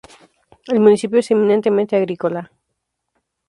El municipio es eminentemente agrícola.